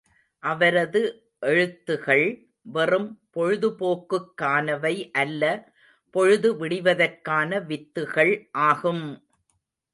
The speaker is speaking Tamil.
அவரது எழுத்துகள், வெறும் பொழுதுபோக்குக்கானவை அல்ல பொழுது விடிவதற்கான வித்துகள் ஆகும்!